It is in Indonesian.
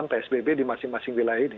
ada di dalam psbb di masing masing wilayah ini